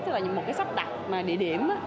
tức là một cái sắp đặt địa điểm